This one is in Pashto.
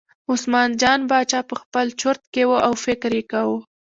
عثمان جان باچا په خپل چورت کې و او یې فکر کاوه.